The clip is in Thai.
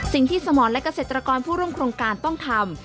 สมรและเกษตรกรผู้ร่วมโครงการต้องทำ